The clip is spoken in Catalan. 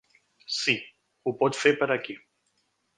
Sí, ho pot fer per aquí.